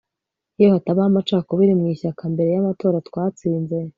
Iyo hatabaho amacakubiri mu ishyaka mbere yamatora twatsinze